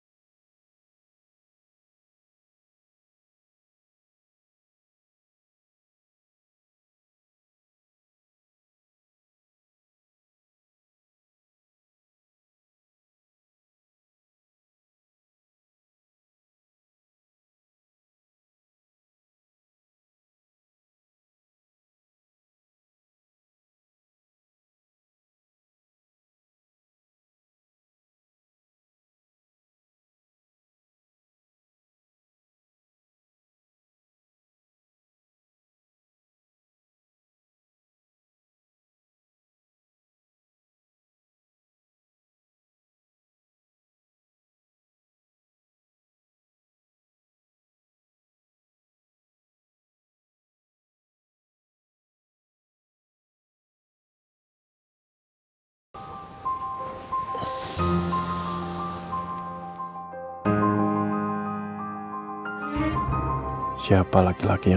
katerin putih lagi sakit ya